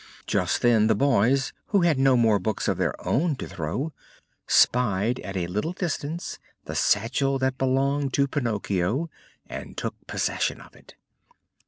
Just then the boys, who had no more books of their own to throw, spied at a little distance the satchel that belonged to Pinocchio, and took possession of it.